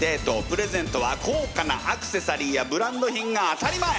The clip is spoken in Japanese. プレゼントは高価なアクセサリーやブランド品が当たり前。